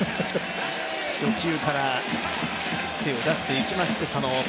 初球から手を出していきまして佐野。